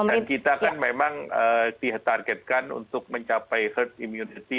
dan kita kan memang ditargetkan untuk mencapai herd immunity